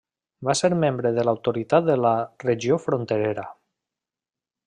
Va ser membre de l'Autoritat de la Regió Fronterera.